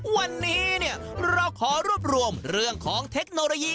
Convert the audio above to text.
วันนี้เราขอรวบรวมเรื่องของเทคโนโลยี